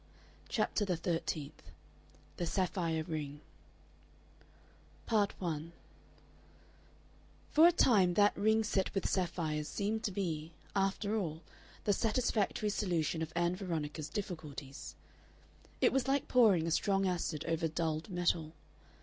CHAPTER THE THIRTEENTH THE SAPPHIRE RING Part 1 For a time that ring set with sapphires seemed to be, after all, the satisfactory solution of Ann Veronica's difficulties. It was like pouring a strong acid over dulled metal.